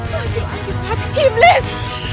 bagi akhir hati iblis